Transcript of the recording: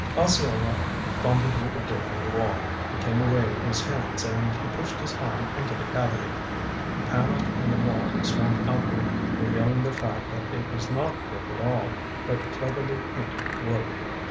Osceola fumbled with a brick in the wall, it came away in his hands and he pushed his arm into the cavity. A panel in the wall swung outward, revealing the fact that it was not brick at all, but cleverly painted wood.